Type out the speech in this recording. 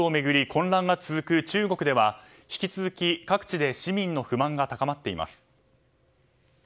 混乱が続く中国では引き続き、各地で市民の不満が高まっています。